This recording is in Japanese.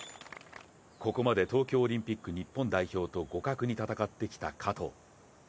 ここまで東京オリンピック日本代表と互角に戦ってきた加藤。